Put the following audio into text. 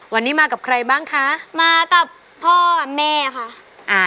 วันนี้มากับใครบ้างคะมากับพ่อกับแม่ค่ะอ่า